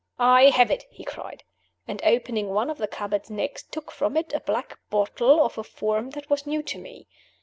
"I have it!" he cried, and opening one of the cupboards next, took from it a black bottle of a form that was new to me.